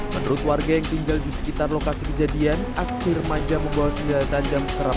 menurut warga yang tinggal di sekitar lokasi kejadian aksi remaja membawa senjata tajam kerap